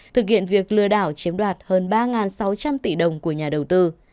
thực hiện việc lừa đảo chiếm đoạt hơn ba sáu trăm linh tỷ đồng của nhà đầu tư